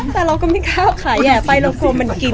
แต่เราก็ไม่ค่าวค่ะไปกลัวกลัวมันกิน